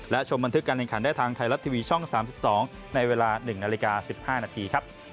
และชมบันทึกการแข่งขันได้ทางไทยรัฐทีวีช่อง๓๒ในเวลา๑นาฬิกา๑๕นาทีครับ